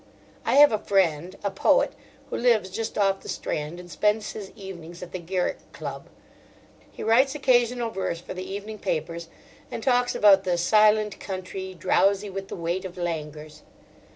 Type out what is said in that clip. I have a friend, a poet, who lives just off the Strand, and spends his evenings at the Garrick Club. He writes occasional verse for the evening papers, and talks about the "silent country, drowsy with the weight of languors."